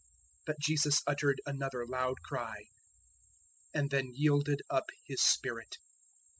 027:050 But Jesus uttered another loud cry and then yielded up His spirit.